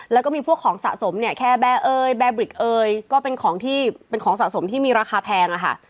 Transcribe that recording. แล้วก็มีพวกของสะสมเนี่ยแค่แบร์เอ้ยแบร์บริกเอยก็เป็นของที่เป็นของสะสมที่มีราคาแพงอะค่ะ